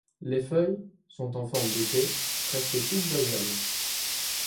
Les feuilles sont en forme d'épée, presque toutes basales.